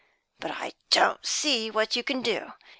But I don't see what you can do.